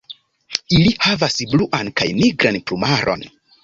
Ili havas bluan kaj nigran plumaron.